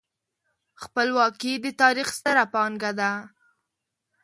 خپلواکي د تاریخ ستره پانګه ده.